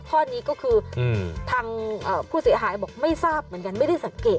ข้อนี้ก็คือทางผู้เสียหายบอกไม่ทราบเหมือนกันไม่ได้สังเกต